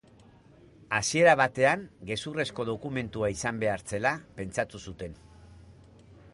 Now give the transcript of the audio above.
Hasiera batean, gezurrezko dokumentua izan behar zela pentsatu zuten.